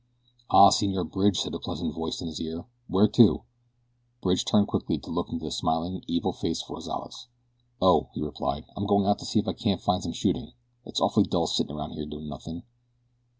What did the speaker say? "Ah, Senor Bridge," said a pleasant voice in his ear; "where to?" Bridge turned quickly to look into the smiling, evil face of Rozales. "Oh," he replied, "I'm going out to see if I can't find some shooting. It's awfully dull sitting around here doing nothing."